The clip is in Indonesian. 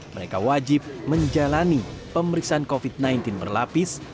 mereka wajib menjalani pemeriksaan covid sembilan belas berlapis